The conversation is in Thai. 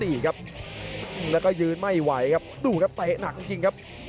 ดาบดำเล่นงานบนเวลาตัวด้วยหันขวา